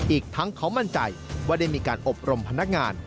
อีกทั้งเขามั่นใจว่าได้มีการอบรมพนักงาน